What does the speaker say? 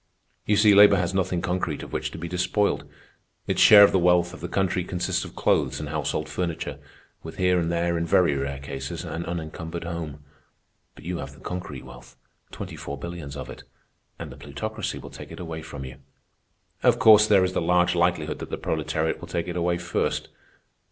"You see, labor has nothing concrete of which to be despoiled. Its share of the wealth of the country consists of clothes and household furniture, with here and there, in very rare cases, an unencumbered home. But you have the concrete wealth, twenty four billions of it, and the Plutocracy will take it away from you. Of course, there is the large likelihood that the proletariat will take it away first.